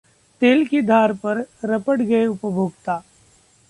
तेल की धार पर रपट गए उपभोक्ता